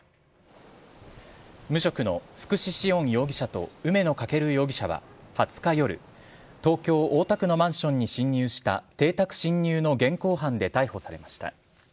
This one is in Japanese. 無職の福士至恩容疑者と梅野風翔容疑者は２０日夜、東京・大田区のマンションに侵入した邸宅侵入の現行犯で逮捕されました。